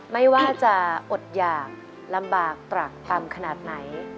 ไม่ว่าจะอดหยากลำบากตระกำขนาดไหน